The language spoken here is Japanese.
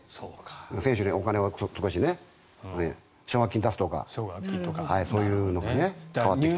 選手にお金を出したりね奨学金を出すとかそういうのが変わってきた。